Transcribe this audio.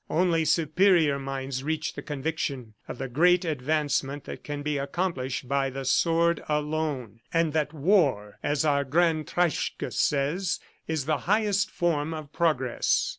Only superior minds reach the conviction of the great advancement that can be accomplished by the sword alone, and that war, as our grand Treitschke says, is the highest form of progress."